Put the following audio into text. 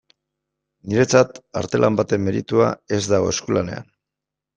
Niretzat artelan baten meritua ez dago eskulanean.